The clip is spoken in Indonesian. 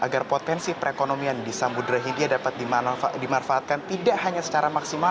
agar potensi perekonomian di samudera hindia dapat dimanfaatkan tidak hanya secara maksimal